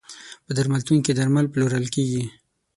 په درملتون کې درمل پلورل کیږی.